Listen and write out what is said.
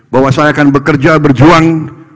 bahwa saya akan bekerja berjuang